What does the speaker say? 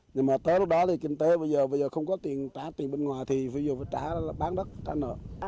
nhưng mà tới lúc đó thì kinh tế bây giờ không có tiền trả tiền bên ngoài thì ví dụ phải trả là bán đất trả nợ